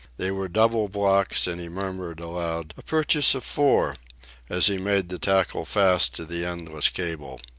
They were double blocks, and he murmured aloud, "A purchase of four," as he made the tackle fast to the endless cable.